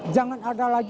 jangan ada lagi